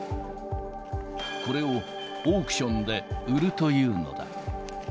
これをオークションで売るというのだ。